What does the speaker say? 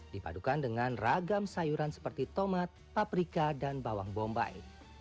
dipadukan dengan ragam sayuran seperti tomat paprika dan bawang bombay